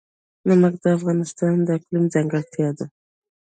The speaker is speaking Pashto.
نمک د افغانستان د اقلیم ځانګړتیا ده.